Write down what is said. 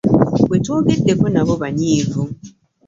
Be twogeddeko nabo banyiivu.